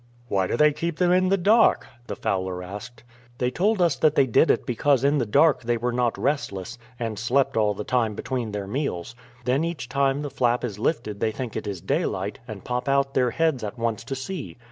"Why do they keep them in the dark?" the fowler asked. "They told us that they did it because in the dark they were not restless, and slept all the time between their meals. Then each time the flap is lifted they think it is daylight, and pop out their heads at once to see.